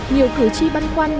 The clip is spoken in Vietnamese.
nhiều cử tri băn quan